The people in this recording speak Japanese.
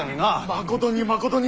まことにまことに。